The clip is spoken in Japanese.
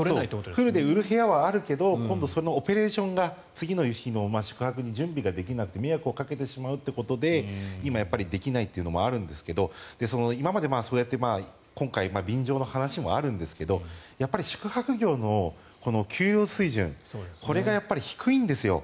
フルで売るお部屋はあるけど今度オペレーションが次の日の宿泊ができなくて迷惑をかけてしまうのでできないというのがあるんですが今までそうやって今回、便乗の話もあるんですが宿泊業の給与水準これが低いんですよ。